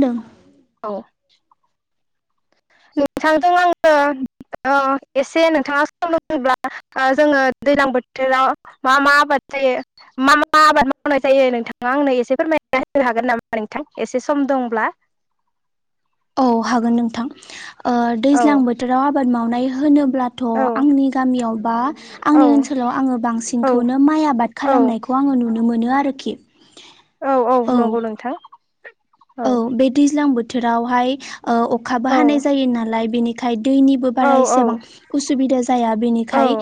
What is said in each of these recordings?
दों औ नोंथांजों आङो अ एसे नोंथाङा सम होयोब्ला ओ जोङो दैजलां बोथोराव मा मा आबाद जायो मा मा आबाद मावनाय जायो नोंथाङा आंनो एसे फोरमाय ना हागोन नामा नोंथां एसे सम दंब्ला ह औ नोंथां बोथोर आ माव अब्लाथ' औ आंनि गामियाव बा औ आंनि ओनसोलाव आङो औ बांसिनखौनो माइ आबाद औ खालामनायखौ आो ननो मोनो आरोखि औ औ नोंगौ नोंथां औ बे दैज्लां बोथोरावहाय ओ अखाबो औ हानाय जायो नालाय बेनिखाय दैनिबो औ बारा औ एसेबां उसुबिदा जाया औ बेनिखाय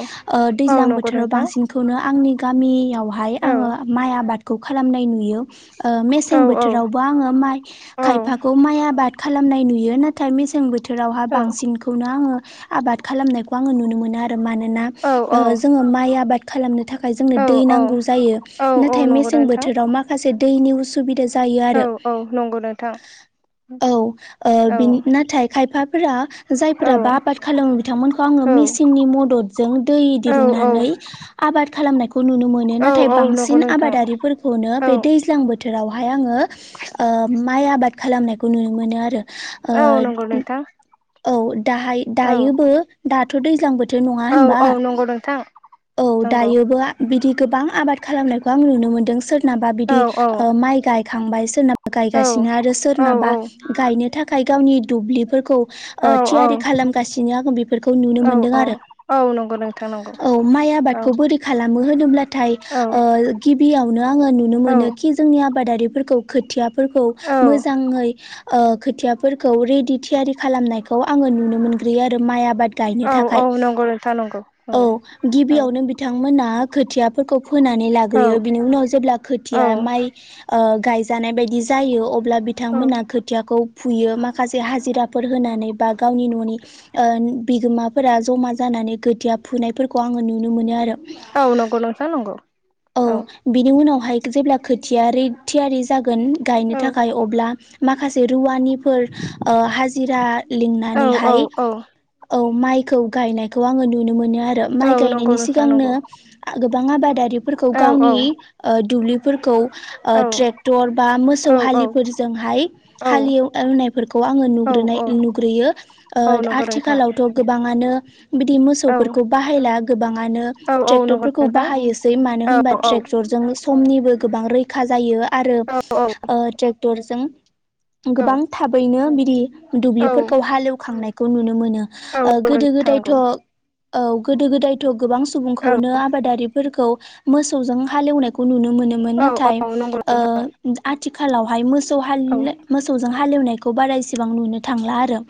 औ दैज्लां नंगौ बोथोराव नोंथां बांसिनखौनो [unintelligible] गामियावहाय औ आङो माइ आबादखौ खालामनाय नुयो ओ औ मेसें बोथोरावबो आङो माइ औ खायफाखौ माइ आबाद खालामनाय नुयो नाथाय मेसें बोथोरावहा बांसिनखौनो आङो आबाद खालामनायखौ आङो नुनो मोनो आरो मानोना औ ओ जोङो माइ आबाद खालामनो थाखाय जोंनो औ दै नांगौ जायो औ औ नाथाय मेन नंगौ से मेसें नोंथां बोथोराव माखासे दैनि उसुबिदा जायो औ आरो औ नंगौ नोंथां औ औ बिनि नाथाय खायफाफोरा औ जायफोराबो आबाद खालामो बिथांमोनखौ आङो औ मेसिननि मददजों दै औ औ दिरुननानै आबाद खालामनायखौ खौ नुनो मोनो औ नाथाय औ नंगौ बांसिन नोंथां आबादारिफोरखौनो औ बे दैज्लां बोथोरावहाय आङो माइ आबाद खालामनायखौ नुनो मोनो आरो औ नंगौ नोंथां औ दाय औ दायोबो दाथ' दैज्लां बोथोर थ' नङा औ होनबा औ नंगौ नोंथां औ नंगौ दायोबो बिदि गोबां आबाद खालामनायखौ आं नुनो मोनदों सोर सोरनाबा औ बिदि औ ओ माइ गायखांबाय सोरनाबा औ गायगासिनो आरो औ सोरनाबा गायनो थाखाय गावनि दुब्लिफोरखौ औ ओ थियारि खालाम खालामगासिनो आं बेफोरखौ नुनो औ औ मोनदों आरो। औ नंगौ नोंथां नंगौ। औ माइ औ आबादखौ बोरै खालामो होनोब्ला ना थाय औ ओ गिबियावनो आङो नुनो औ मोनो खि जोंनि आबादारिफोरखौ खोथिया फोरखौ मोजाङै ओ खोथियाफोरखौ रेडि थियारि खालामनायखौ आङो नुनो मोनग्रोयो आरो माइ आबाद गायनो औ औ थाखाय नंगौ नोंथां नंगौ औ नंगौ औ गिबियावनो बिथांमोना खोथियाफोरखौ फोनानै लाग्रोयो औ बिनि उनाव जेब्ला खोथिया औ माइ ओ गायजानाय बायदि जायो अ ब्ला बिथांमोना खोथियाखौ फुयो माखासे हाजिराफोर होनानै बा गावनि न'नि ओ बिगोमाफोरा जमा जाना नानै खोथिया फुनायफोरखौ आङो नुनो मोनो आरो। औ नंगौ नोंथां नंगौ। औ बिनि उनावहाय जेब्ला खोथिया रे थियारि जा गोन गायनो औ थाखाय अब्ला माखासे रुवानिफो ओ हाजिरा औ औ लिंनानैहाय औ माइखौ गायनायखौ आङो नुनो मोनो आरो माइ गायनायनि सिगांनो गोबां आबादारि फोरखौ गावनि ओ दुब्लिफोरखौ ओ ट्रेक्टर बा मोसौ हालिफोरजोंहाय हाल एवनायफोरखौ आङो नुब रोनाय नुग्रोयो औ नंगौ नोंथां आथिखालावथ' गोबाङानो बिदि औ मोसौफोरखौ बाहायला। गोबांङानो औ औ नंगौ ट्रेक्टरफोरखौ नोंथां बाहायोसै मानो औ होनबा औ ट्रेक्टर जों स समनिबो गोबां रैखा जायो आरो औ औ ओ ट्रेक्टरजों औ गोबां थाबैनो बिदि दुब्लिफोरखौ हालेवखांनायखौ नुनो मोनो। औ ओ औ नंगौ गोदो नोंथां गोदायथ' नंगौ औ गोदो गोदायथ' गोबां सुबुंखौनो आबादारिफोरखौ मोसौजों हालेवनायखौ नुनो मोनो मोन औ नाथाय औ नंगौ ओ नोंथां आथिखालावहाय मोसौ हाल औ एव मोसौजों हालेवनायखौ बारा एसेबां नुनो थांला आरो।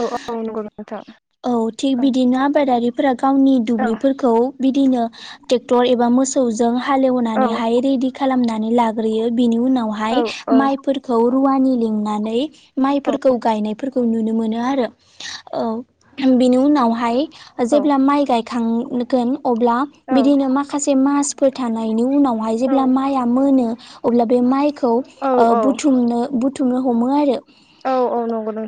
औ औ नंगौ नोंथां। औ थिग औ बिदिनो आबादारिफोरा गावनि औ दुब्लिफोरखौ बि दिनो ट्रेक्टर एबा मोसौ जों हालनानै हाय रेदि खालामनानै लाग्रोयो बिनि औ उनावहाय माइफोरखौ रुवानि लिंनानै औ माइफोरखौ गायनायफोरखौ नुनो मोनो आरो औ बेनि उनावहाय औ जेब्ला माइ गायखांगोन अब्ला बिदिनो माखासे मास फोर थानायनि उनावहाय औ जेब्ला माइया मोनो अब्ला बे माइखौ औ खौ ओ बुथुमनो बुथुमनो हमो आरो औ। औ औ नंगौ नों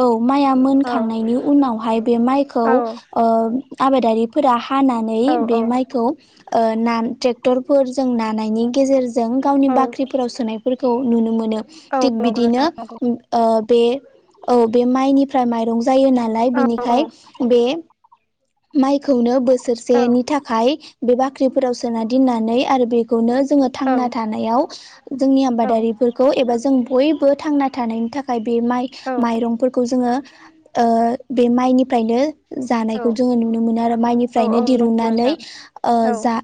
औ माइआ मोनखांनायनि उनावहाय बे माइखौ औ ओ आबादारिफोरा हानानै औ बे माइखौ ओ ना ट्रेक्टरफोरजों नानायनि गेजेरजों गावनि बाख्रिफोराव सोनाय फोर खौ नुनो मोनो औ थिग नंगौ नोंथां बिदिनो नंगौ ओ बे औ बे माइनिफ्राय माइरं जायो नालाय औ औ बिनिखाय बे माइखौनो औ बोसोरसेनि थाखाय बे बाख्रिफोराव सोना दोननानै आरो बेखौनो जोङो औ थांना थानायाव जोंनि आबादारिफोरखौ एबा जों बयबो थांना थानायनि थाखाय बे माइ माइरंफोरखौ जोङो ओ बे माइनिफ्रायनो जान नायखौ जों नुनो मोनो आरो माइनिफ्रायनो औ नंगौ दिरुननानै नोंथां ओ औ जा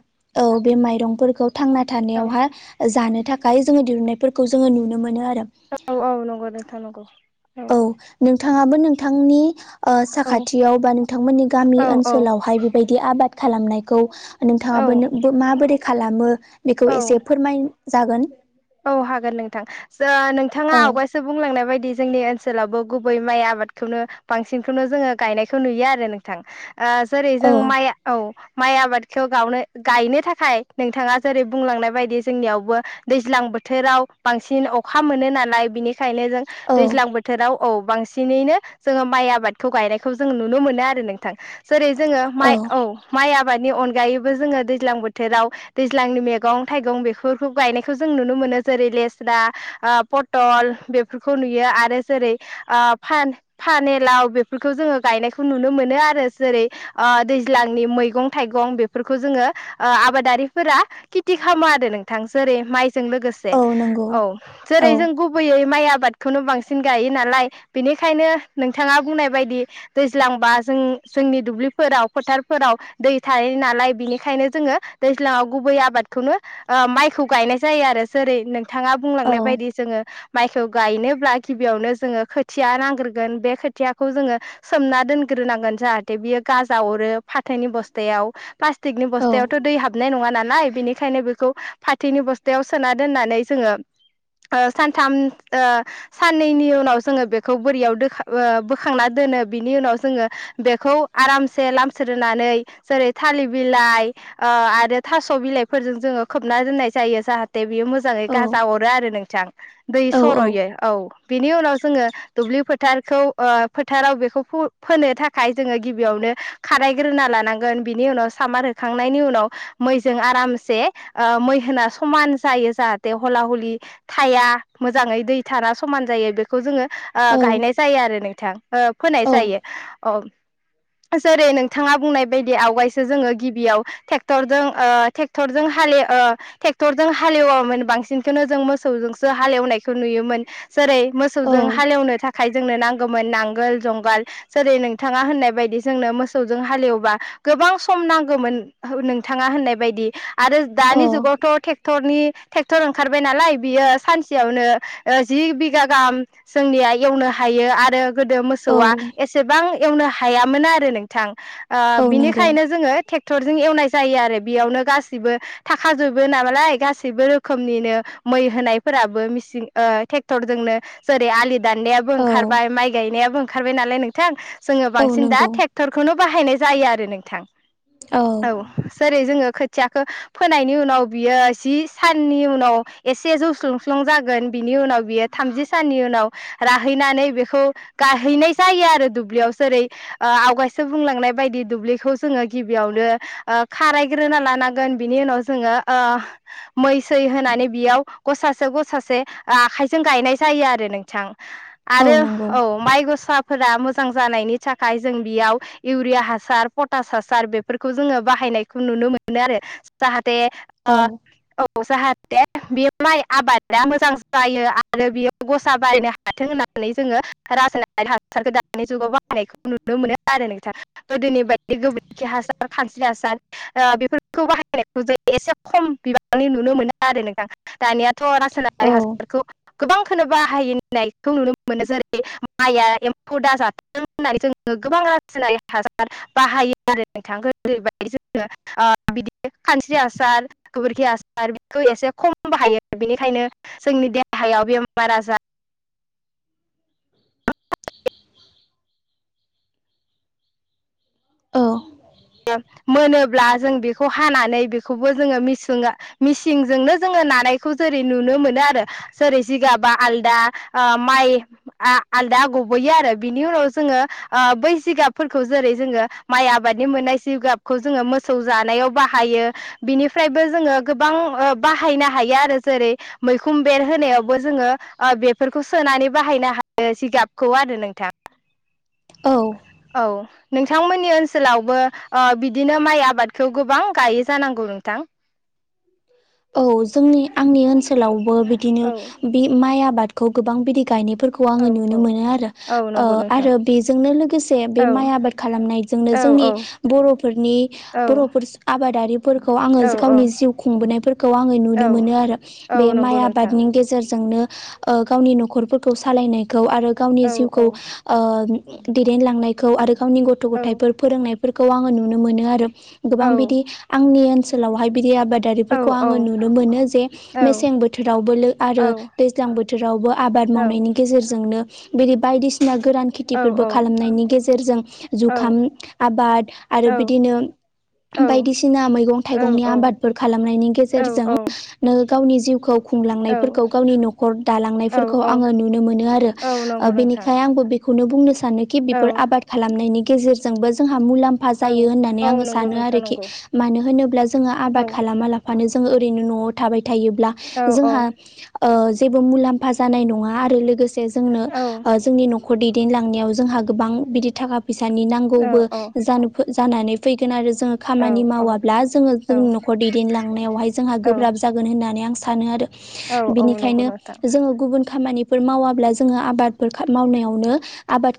औ बे माइरंफोरखौ थांना थानायावहाय जानो थाखाय जोङो दिहुननायफोरखौ जोङो नुनो मोनो आरो। औ औ नंगौ नोंथां नंगौ। औ नोंथाङाबो नोंथांनि ओ साखाथियाव बा नोंथांमोननि गामि औ ओनसोलावहाय बेबायदि आबाद खालामनायखौ औ नोंथाङाबो माबोरै खालामो बेखौ औ औ एसे फोरमाय जागोन। औ हागोन नोंथां जा नोंथाङा औ आवगायसो बुंलांनाय बाय दि जोंनि ओनसोलावबो गुबै माइ आबादखौनो बांसिनखौनो जोङो गायनायखौ नुयो आरो नोंथां। ओ जेरै औ जों माइआ औ माइ आबादखौ गावनो गायनो थाखाय नोंथाङा जेरै बुंलांनाय बायदि जोंनियावबो दै ज्लां बोथोराव बांसिन अखा मोनो नालाय बिनिखायनो जों औ दैज्लां बोथोराव औ बांसिन नैनो जोङो माइ आबादखौ गायनायखौ जों नुनो मोनो आरो नोंथां। जेरै जोङो माइ औ माइआ बाद अनगायैबो जोङो दैज्लां बोथोराव दैज्लांनि मैगं थाइगं बेफोरखौ गायनाय खौ जों नुनो मोनो जेरै लेस्रा आ पटल बेफोरखौ नुयो आरो जेरै आ आ फान फानेलाव बेफोरखौ जोङो गायनायखौ नुनो मोनो आरो जेरै आ दैज्लांनि मैगं थाइगं बेफोरखौ जोङो आ आबादारिफोरा खेथि खालामो आरो नोंथां। जेरै माइजों लोगोसे औ नंगौ औ औ जेरै जों गुबैयै माइ आबाद खौनो बांसिन गायो नालाय बेनिखायनो नोंथाङा बुंनाय बायदि दैज्लांबा जों जोंनि दुब्लिफोराव फोथारफोराव दै थायो नालाय बेनिखायनो जोङो दैज्लांआव गुबै आबादखौ खौनो आ माइखौ गायनाय जायो आरो जेरै नोंथाङा औ बुंलांनाय बायदि जोङो माइखौ गायनोब्ला गिबियावनो जोङो खोथिया या नांग्रोगोन बे खोथियाखौ जोङो सोमना दोनग्रोनांगोन जाहाथे बियो गाजा अरो फाथोनि बस्थायाव प्लास्टिकनि औ बस्थायावथ' दै हाबनाय नङा नालाय बेनिखायनो बेखौ फाथोनि थायाव सोना दोननानै जोङो ओ सानथाम ओ साननैनि उनाव जोङो बेखौ बोरियाव दोखां बोखांना दोन नो बिनि उनाव जोङो बेखौ आराम से लामसोरोनै जेरै थालिर बिलाइ ओ आरो थास' बिलाइफोरजों जोङो खोबनानै ना दोननाय जायो जाहाथे बेयो मोजाङै गाजा औ हरो आरो नोंथां दै औ सर'यो औ। बिनि उनाव जोङो दुब्लि फोथारखौ ओ फोथाराव बेखौ फो फोनो थाखाय जोङो गिबियाव नो खारायग्रोना लानांगोन बिनि उनाव सामार होखांनायनि उनाव मैजों आरामसे ओ मै होना स मान जायो जाहाथे हला हलि थाया मोजाङै दै थाना समान जायो बेखौ जोङो ओ औ गायनाय जायो आरो नोंथां ओ फोनाय औ जायो औ। जेरै नोंथाङा बुंनाय बायदि आवगायसो जो गिबियाव थेक्टरजों ओ टेक्टरजों हाले ओ टेक क्टरजों हालेवामोन बांसिनखौनो जों मोसौजोंसो हालेवनायखौ नुयोमोन जेरै औ मोसौजों हालेवनो थाखाय जोंनो नांगौमोन नांगोल जं गाल जेरै नोंथाङा होननाय बायदि जोंनो मोसौजों हालेवबा गोबां सम नांगौमोन नोंथाङा होननाय बायदि आरो दानि औ जुगावथ' नि ट्रेक्टर ओंखारबाय नालाय बियो सानसेयावनो ओ जि बिगा गाहाम जोंनिया एवनो हायो आरो गोदो औ मोसौआ एसेबां एवनो हायामोन आरो नोंथां ओ औ नंगौ बिनिखायनो जोङो टेक टक्टरजों एवनाय जायो आरो बेयावनो गासिबो थाखाजोबो ना लाय गासैबो रोखोमनिनो मै होनायफोराबो ओ टेक्टरजोंनो जेरै आलि दाननायाबो औ ओंखारबाय माइ गायनायाबो ओंखारबाय नालाय नोंथां जो औ बांसिना नंगौ टेक्टरखौनो बाहायनाय जायो आरो नोंथां। औ जेरै जोङो खोथियाखौ फोनायनि उनाव बियो जि साननि उनाव एसे जौस्लुंस्लुं जागोन बिनि उनाव बियो थामजि साननि उनाव राहैनानै बेखौ गाहैनाय जायो आरो दुब्लियाव जेरै आवगायसो बुंला थांनाय बायदि दुब्लिखौ जोङो गिबियावनो खारायग्रोना लानांगोन बिनि उनाव जोङो ओ मै सै होनानै बेयाव गसासे गसासे आखाइजों गायनाय जायो आरो नोंथां। औ आरो नंगौ औ माइ गसा फोर मोजां जानायनि थाखाय जों बेयाव इउरिया हासार पटास हासार बेफोरखौ जोङो बाहाय [unintelligible] नुनो मोनो आरो जाहाते औ ओ औ जाहा ते बे माइ आबादा मोजां जायो आरो बेयाव गसा बारायनो हाथों होननानै जोङो ओ रासायारि हासारखौ दानि जुगाव बाहायनायखौ नुनो मोनो आरो नोंथां गोदोनि बायदि [unintelligible] खि हासार खानस्रि हासार ओ बेफोरखौ बाहायनायखौ जों एसे [unintelligible] खम बिबांनि नुनो मोनो आरो नोंथां दानियाथ' रासायनारि औ हासारखौ गोबांखोनो बाहायनायखौ नुनो मोनो जेरै माइआ एम्फौ दाजाथों होननानै जोङो गोबां रासायनारि हासार बाहायो आरो नोंथां [unintelligible] खानस्रि हासार गोबोरखि हासार बेखौ एसे खम बाहायो बेनिखायनो जोंनि देहायाव बेमार आजार [unintelligible] मोनोब्ला जों बेखौ हानानै बेखौबो जोङो मिसिंगा मिसिंजोंनो जोङो नानायखौ जेरै नुनो मोनो आरो जेरै जिगाबा आलदा ओ माइ आ आ आलदा गबोयो आरो बिनि उनाव जोङो ओ बै जिगाबफोरखौ जेरै जोङो माइ आबाद [unintelligible] मोननाय जिगाबखौ जोङो मोसौ जानायाव बाहायो बिनिफ्रायबो जोङो गोबां ओ बाह हायनो हायो आरो जेरै मैखुम बेर होनायावबो जोङो ओ बेफोरखौ सोनानै बाहायनो हा [unintelligible] जिगाबखौ आरो नोंथां औ औ नोंथांमोननि ओनस सोलावबो ओ बिदिनो माइ आबादखौ गोबां गायो जानांगौ नोंथां औ जोंनि आंनि ओनसोलावबो बिदिनो औ बे माइ आबादखौ गोबां बिदि गायनायफोरखौ आङो औ नुनो औ मोनो आरो औ ओ नंगौ नोंथां आरो बेजोंनो लोगोसे बे औ माइ आबाद खालामनाय जोंनो औ जोंनि औ बर'नि औ बर'फोर आबादारि फोरखौ आङो औ गावनि जिउ खुंबोनाय फोरखौ आङो औ नुनो मोनो आरो औ बे माइ नंगौ नोंथां आबादनि गेजेरजोंनो ओ गावनि न'खरफोरखौ सालायनायखौ आरो गावनि औ जिउखौ औ ओ [unintelligible] [unintelligible] दैदेनलांनायखौ आरो गावनि गथ' औ गथाइफोर फोरोंनायफोरखौ आङो नुनो मोनो आरो गोबां औ बिदि आंनि ओनसोलावहाय बिदि आबादारि औ खौ औ आङो नुनो मोनो जे औ मेसें बोथोरावबो लो आरो औ दैज्लां बोथोरावबो आबाद मावनाय [unintelligible] नि गेजेरजोंनो बिदि बायदिसिना गोरान औ खेथिफोरबो खालामनायनि गेजेरजों जुखाम आबाद आरो बिदिनो बायदिसिना मैगं -थाइगंनि आबादफोर खालामनायनि [unintelligible] गेजेरजोंनो गावनि जिउखौ खुंलांनायफोरखौ गावनि न'खर औ दालांनायफोरखौ औ आङो नुनो [unintelligible] मोनो औ ओ नंगौ नोंथां बेनिखाय आंबो बेख खौनो बुंनो सानोखि औ बेफोर आबाद खालामनायनि गेजेरजोंबो जोंह हा मुलाम्फा औ जायो होननानै औ आङो नंगौ सानो नोंथां आरोखि नंगौ मानो होनोब्ला जोङो औ आबाद खालामा ला फानो जों ओरैनो न'आव थाबाय थायोब्ला औ औ जोंहा ओ जेबो मुलाम्फा जानाय नङा आरो लोगोसे जोंनो औ ओ जोंनि न'ख ख'र दैदेलांनायाव जोंहा गोबां बिदि थाखा फैसानि औ नांगौबो जानोफो जानानै फै [unintelligible] गोन आरो जोङो खामानि औ औ मावाब्ला जोङो औ जोंनि न'खर दैदेनलांनायावहाय जोंहा औ गोब्राब जागोन होननानै आं सानो आरो औ औ नंगौ बिनिखायनो नोंथां जोङो गुब खामानि फोर मावाब्ला जोङो आबादफोर खा मावनायावनो आबाद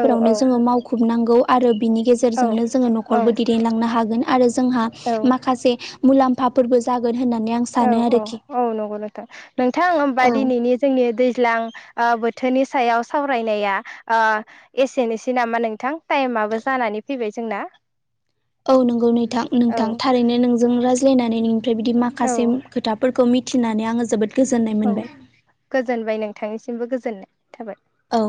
औ औ जोङो मावखुबनांगौ आरो बिनि औ गेजेरजोंनो जोङो न'खरबो दैदेनलांनो हागोन आरो जोंहा औ माखासे मुलाम फाफोरबो जागोन होननानै आं औ सानो औ आरोखि औ नंगौ नोंथां नोंथां होमबा औ दिनैनि जोंनि दैज्लां ओ बोथोरनि सायाव सावरायनाया ओ एसेनिसै नामा नोंथां टाइमाबो जा जानानै फैबाय जोंना औ नंगौ नैथां औ नोंथां थारैनो नोंजों रायज्लायनानै नों [unintelligible] फ्राय बिदि औ माखासे खोथाफोरखौ मिथिनानै आङो जोबोद गोजोननाय औ मोनबाय गोजोनबाय नोंथांनिसिमबो गोजोननाय थाबाय औ